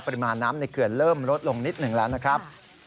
ปริมาณน้ำในเขื่อนเริ่มลดลงนิดหนึ่งแล้วนะครับ